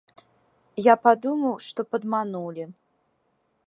Я падумаў, што падманулі.